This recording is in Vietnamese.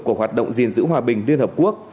của hoạt động gìn giữ hòa bình liên hợp quốc